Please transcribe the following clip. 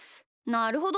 なるほど。